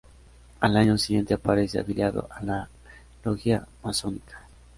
Al año siguiente aparece afiliado a la Logia Masónica.